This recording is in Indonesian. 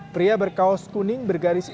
pria berkaos kuning bergaris ini